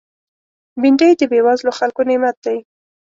بېنډۍ د بېوزلو خلکو نعمت دی